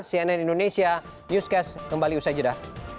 cnn indonesia newscast kembali usai jeda